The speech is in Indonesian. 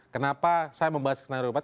kenapa saya membahas skenario upat